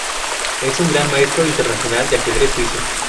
Es un Gran Maestro Internacional de ajedrez, suizo.